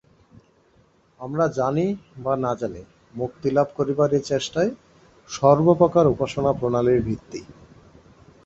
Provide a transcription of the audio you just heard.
আমরা জানি বা না জানি, মুক্তিলাভ করিবার এই চেষ্টাই সর্বপ্রকার উপাসনা-প্রণালীর ভিত্তি।